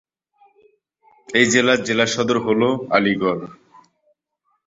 এই জেলার জেলা সদর হল আলিগড়।